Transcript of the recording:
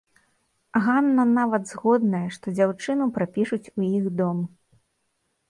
Ганна нават згодная, што дзяўчыну прапішуць у іх дом.